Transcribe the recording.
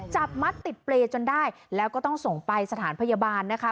จับมัดติดเปรย์จนได้แล้วก็ต้องส่งไปสถานพยาบาลนะคะ